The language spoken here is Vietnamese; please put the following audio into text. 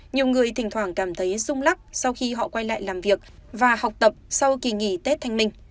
nhiều người thỉnh thoảng cảm thấy rung lắc sau khi họ quay lại làm việc và học tập sau kỳ nghỉ tết thanh minh